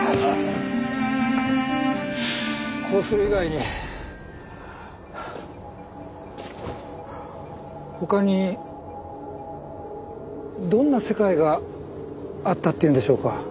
こうする以外に他にどんな世界があったっていうんでしょうか？